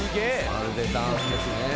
「まるでダンスですね」